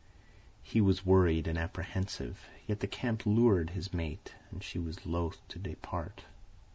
He was worried and apprehensive, yet the camp lured his mate and she was loath to depart.